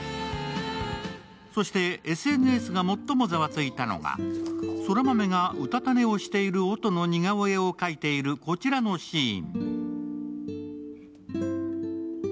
そしてＳＮＳが最もザワついたのが空豆がうたた寝をしている音の似顔絵を描いているこちらのシーン。